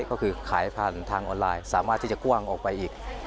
ก็คือขายผ่านทางออนไลน์สามารถที่จะกว้างออกไปอีก